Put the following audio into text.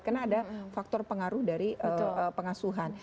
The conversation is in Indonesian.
karena ada faktor pengaruh dari pengasuhan